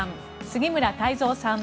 杉村太蔵さん